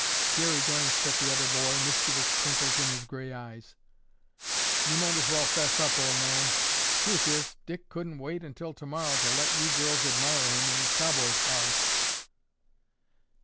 '" Jerry glanced at the other boy, mischievous twinkles in his gray eyes. "You might as well 'fess up, old man. Truth is, Dick couldn't wait until tomorrow to let you girls admire him in his cowboy togs."